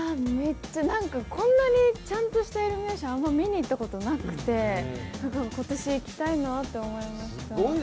こんなにちゃんとしたイルミネーション、見に行ったことなくて今年行きたいなって思いました。